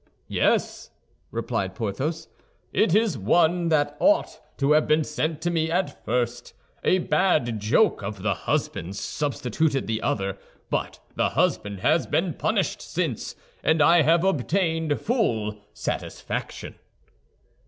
"Yes," replied Porthos, "it is the one that ought to have been sent to me at first. A bad joke of the husband's substituted the other; but the husband has been punished since, and I have obtained full satisfaction."